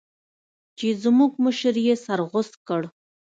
چې زموږ مشر يې سر غوڅ کړ.